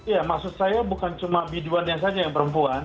ya maksud saya bukan cuma biduannya saja yang perempuan